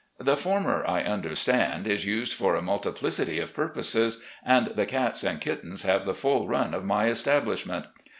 The former I under stand is used for a multiplicity of purposes, and the cats and kittens have the full run of my establishment.